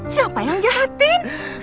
siapa yang jahatin